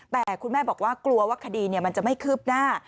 แต่คุณแม่บอกว่ากลัวว่าคดีมันจะไม่คืบหน้า